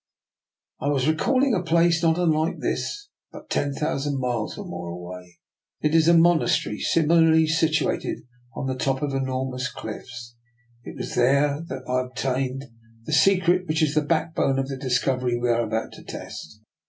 " I was recalling a place not unlike this, but ten thousand miles or more away. It is a monastery, similarly situated, on the top of enormous cliffs. It was there I obtained the secret which is the backbone of the discovery we are about to test.